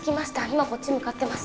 今こっち向かってます